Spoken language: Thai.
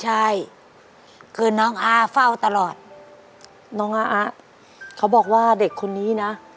ใช่คือน้องอ้าเฝ้าตลอดน้องอ้าเขาบอกว่าเด็กคนนี้นะ